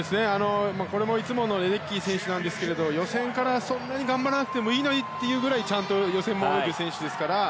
これもいつものレデッキー選手なんですけど予選からそんなに頑張らなくてもいいのにというぐらいちゃんと予選も泳ぐ選手ですから。